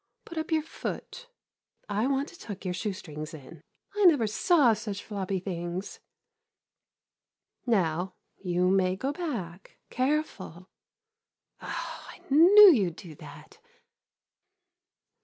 Put up your foot — I want to tuck your shoe strings in. I never saw such floppy things. Now, 54 SUBURBANITES you may go back. Careful — ah — I knew you 'd do that.